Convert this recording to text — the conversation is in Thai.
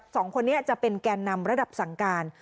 สองคนนี้จะเป็นแกนนำระดับสั่งการ